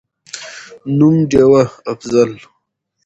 نوم: ډېوه«افضل»